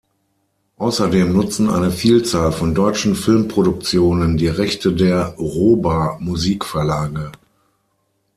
Außerdem nutzen eine Vielzahl von deutschen Filmproduktionen die Rechte der Roba-Musikverlage.